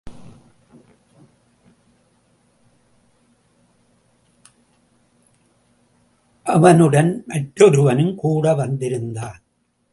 அவனுடன் மற்றொருவனும் கூட வந்திருந்தான்.